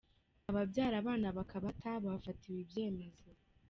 Ababyara abana bakabata bafatiwe ibyemezo